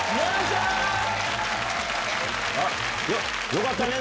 よかったね